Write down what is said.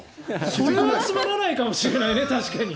それはつまらないかもしれないね、確かに。